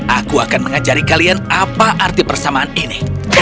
aku akan mengajari kalian apa arti persamaan ini